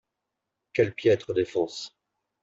Quelle piètre défense